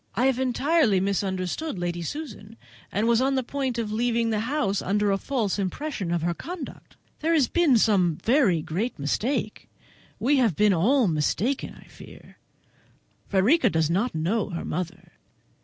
I have entirely misunderstood Lady Susan, and was on the point of leaving the house under a false impression of her conduct. There has been some very great mistake; we have been all mistaken, I fancy. Frederica does not know her mother.